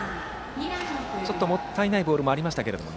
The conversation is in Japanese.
ちょっともったいないボールもありましたけれどもね。